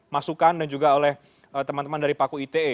masukan dan juga oleh teman teman dari paku ite